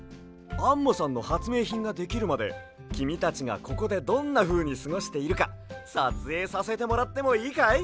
アンモさんのはつめいひんができるまできみたちがここでどんなふうにすごしているかさつえいさせてもらってもいいかい？